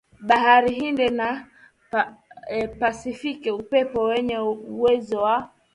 Bahari Hindi na Pasifiki upepo wenye uwezo wa